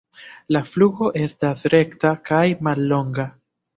La flugo estas rekta kaj mallonga.